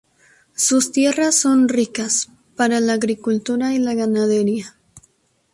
Sus tierras son ricas para la agricultura y la ganadería.